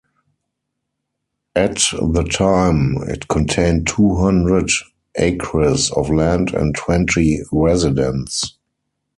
At the time, it contained two hundred acres of land and twenty residents.